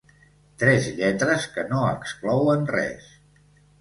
Tres lletres que no exclouen res.